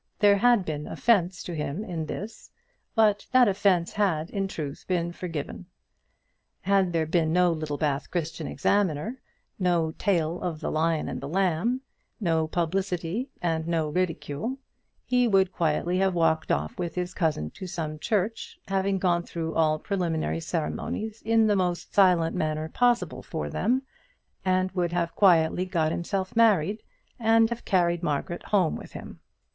There had been offence to him in this, but that offence he had, in truth, forgiven. Had there been no Littlebath Christian Examiner, no tale of the Lion and the Lamb, no publicity and no ridicule, he would quietly have walked off with his cousin to some church, having gone through all preliminary ceremonies in the most silent manner possible for them, and would have quietly got himself married and have carried Margaret home with him.